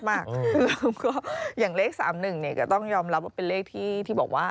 แล้วก็อย่างเลข๓๑ก็ต้องยอมรับว่าเป็นเลขที่บอกว่า